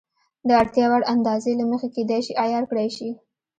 د اړتیا وړ اندازې له مخې کېدای شي عیار کړای شي.